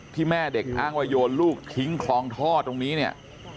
แม่เด็กอ้างว่าโยนลูกทิ้งคลองท่อตรงนี้เนี่ย